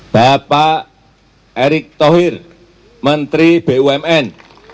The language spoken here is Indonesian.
bapak erick thohir menteri bumn